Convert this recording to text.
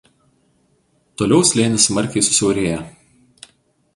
Toliau slėnis smarkiai susiaurėja.